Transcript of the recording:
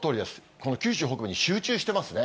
この九州北部に集中してますね。